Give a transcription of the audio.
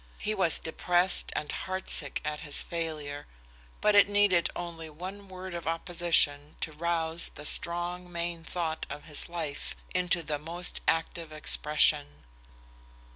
He was depressed and heartsick at his failure, but it needed only one word of opposition to rouse the strong main thought of his life into the most active expression.